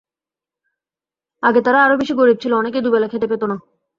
আগে তারা আরও বেশি গরিব ছিল, অনেকেই দুবেলা খেতে পেত না।